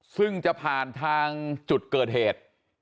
ซึ่งจะผ่านทางจุดเกิดเหตุ